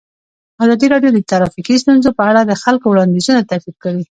ازادي راډیو د ټرافیکي ستونزې په اړه د خلکو وړاندیزونه ترتیب کړي.